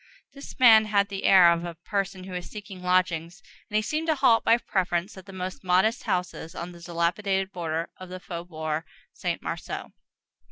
This man had the air of a person who is seeking lodgings, and he seemed to halt, by preference, at the most modest houses on that dilapidated border of the faubourg Saint Marceau.